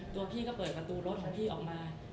พี่ก็เปิดประตูรถของพี่ออกมา